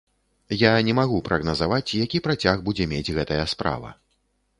Я не магу прагназаваць, які працяг будзе мець гэтая справа.